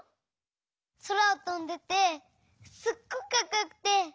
そらをとんでてすっごくかっこよくて。